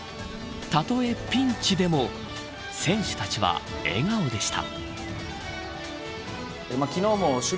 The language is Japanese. たとえピンチでも選手たちは笑顔でした。